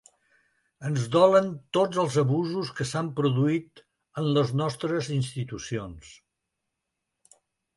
“Ens dolen tots els abusos que s’han produït en les nostres institucions”.